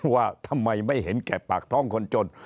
ว่าทำไมไม่เห็นแก่ปากท้องคนจน